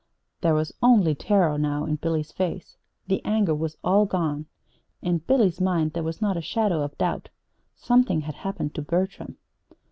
There was only terror now in Billy's face. The anger was all gone. In Billy's mind there was not a shadow of doubt something had happened to Bertram.